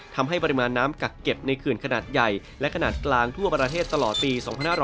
ทำให้ปริมาณน้ำกักเก็บในเขื่อนขนาดใหญ่และขนาดกลางทั่วประเทศตลอดปี๒๕๖๐